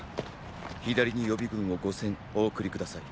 左に予備軍を五千お送り下さい。